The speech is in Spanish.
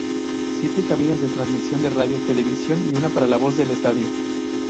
Siete cabinas de transmisión de radio, televisión y una para la voz del estadio.